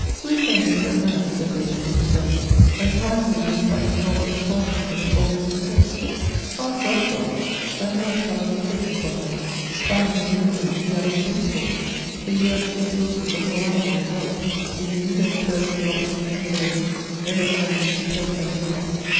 Who is then this young man, said they to themselves, that piously brings back the G^d of his fathers in a fold of his cloak ? France loves God : that love cannot be taken from her. * Family and religion, ye are invincible, for ye are the two CHATEAUBRIAND. 1 7 sources of morality and love ; in you there is poetry lofty and f lowly; never shall ye be suppressed by maniacs.